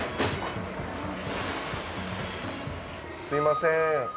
すみません。